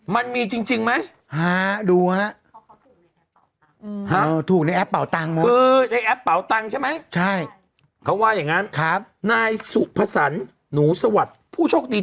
มันมีจริงไม่สิบเก้าใบมันมีจริงใช่ไหมฮะดูฮะ